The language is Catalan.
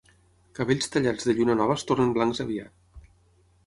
Cabells tallats de lluna nova es tornen blancs aviat.